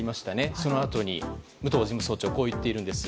そのあとに武藤事務総長はこう言っているんです。